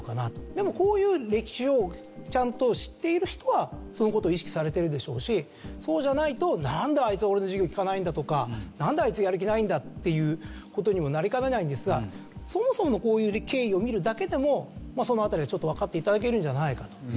でもこういう歴史をちゃんと知っている人はその事を意識されてるでしょうしそうじゃないと「なんであいつ俺の授業聞かないんだ？」とか「なんであいつやる気ないんだ？」っていう事にもなりかねないんですがそもそものこういう経緯を見るだけでもその辺りはちょっとわかって頂けるんじゃないかと。